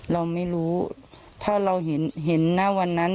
เราไม่รู้ถ้าเราเห็นหน้าวันนั้น